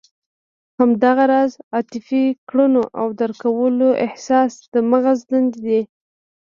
همدغه راز عاطفي کړنو او درک کولو احساس د مغز دندې دي.